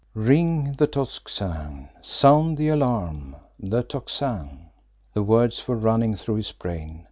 Ring the Tocsin! Sound the alarm! The Tocsin! The words were running through his brain.